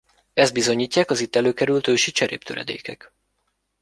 Ezt bizonyítják az itt előkerült ősi cseréptöredékek.